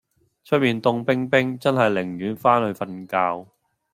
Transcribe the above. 出面涷冰冰真係寧願返去瞓覺